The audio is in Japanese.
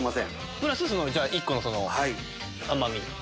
プラス１個のその甘み。